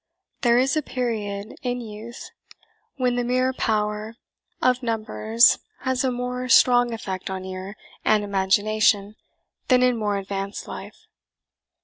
There is a period in youth when the mere power of numbers has a more strong effect on ear and imagination than in more advanced life.